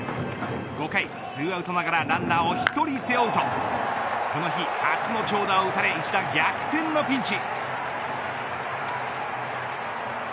５回２アウトながらランナーを１人背負うとこの日初の長打を打たれ一打逆転のピンチ。